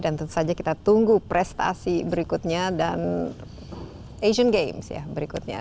dan tentu saja kita tunggu prestasi berikutnya dan asian games ya berikutnya